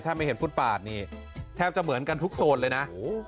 ถ้าไม่เห็นฟุตปาดนี่แทบจะเหมือนกันทุกโซนเลยนะ